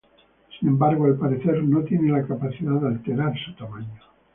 Sin embargo, al parecer no tiene la capacidad de alterar su tamaño.